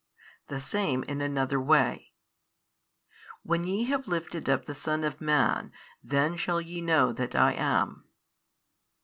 The same in another way. When ye have lifted up the Son of man, then shall ye know that I am.